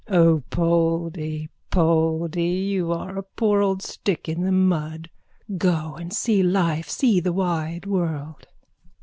_ O Poldy, Poldy, you are a poor old stick in the mud! Go and see life. See the wide world.